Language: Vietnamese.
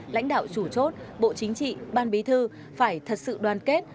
lãnh đạo chủ chốt bộ chính trị ban bí thư phải thật sự đoàn kết